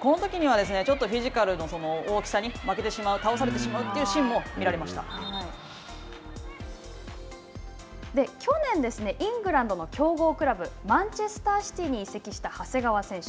このときにはちょっとフィジカルの大きさに負けてしまう、倒されてしまうという去年ですね、イングランドの強豪クラブマンチェスターシティーに移籍した長谷川選手。